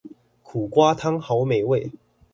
苦瓜湯好美味